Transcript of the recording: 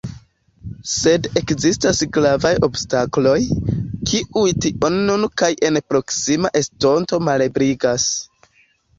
Sed ekzistas gravaj obstakloj, kiuj tion nun kaj en proksima estonto malebligas.